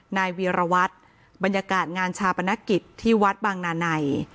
นายเวียรวัตรบรรยากาศงานชาปนกิจที่วัดบางนาใน